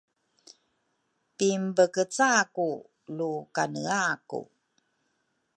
pinbekecaku lu kaneaku.